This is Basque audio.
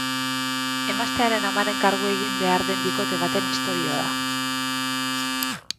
Emaztearen amaren kargu egin behar den bikote baten istorioa da.